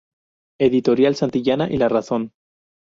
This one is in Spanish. Editorial Santillana y La Razón.